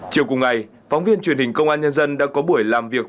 chiều cùng ngày phóng viên truyền hình công an nhân dân đã có buổi làm việc